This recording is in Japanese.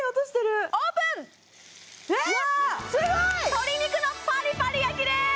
鶏肉のパリパリ焼きでーす！